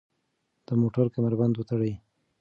د موټر کمربند وتړئ.